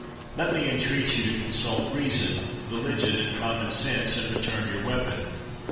Let me entreat you to consult reason, religion, and common sense, and return your weapon."